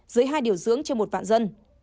dưới hai điều dưỡng trên một vạn dân